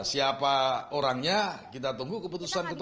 siapa orangnya kita tunggu keputusan ketua umum